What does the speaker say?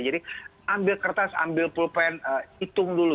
jadi ambil kertas ambil pulpen hitung dulu